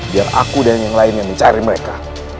biar aku dan yang lainnya mencari mereka